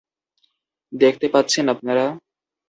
দেখতে পাচ্ছেন আপনারা?